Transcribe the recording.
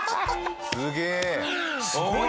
すげえ！